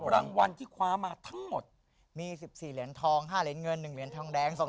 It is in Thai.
รางวัลที่คว้ามาทั้งหมด